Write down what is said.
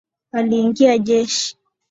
Aliingia jeshi.